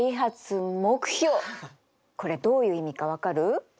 これどういう意味か分かる？